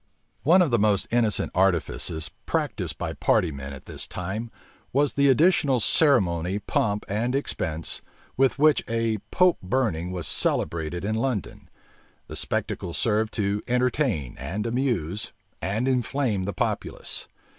One of the most innocent artifices practised by party men at this time, was the additional ceremony, pomp, and expense, with which a pope burning was celebrated in London: the spectacle served to entertain, and amuse, and inflame the populace.